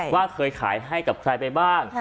ว่าเคยขายให้กับใครไปบ้าง